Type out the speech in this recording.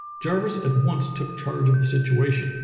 Jarvis at once took charge of the situation.